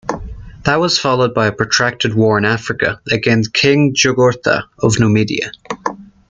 That was followed by a protracted war in Africa against King Jugurtha of Numidia.